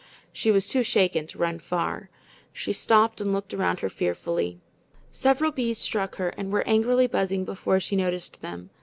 She was too shaken to run far. She stopped and looked around her fearfully. Several bees struck her and were angrily buzzing before she noticed them.